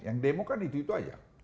yang demo kan itu itu aja